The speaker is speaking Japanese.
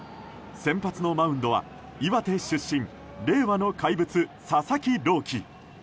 先発のマウンドは岩手出身令和の怪物、佐々木朗希。